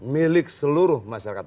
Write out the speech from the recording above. milik seluruh masyarakat